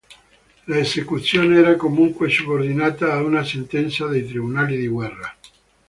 L'esecuzione era comunque subordinata ad una sentenza dei tribunali di guerra.